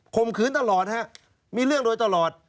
คมคืนตลอดครับมีเรื่องเรื่อยตลอด